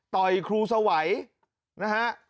ต่อยครูเสวยนะฮะ